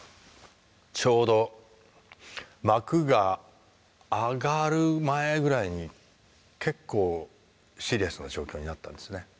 ちょうど幕が上がる前ぐらいに結構シリアスな状況になったんですね。